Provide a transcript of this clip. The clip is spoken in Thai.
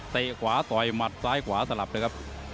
ขวาต่อยหมัดซ้ายขวาสลับเลยครับ